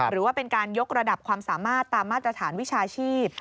หรือว่าเป็นการยกระดับความสามารถตามมาตรฐานวิชาชีพ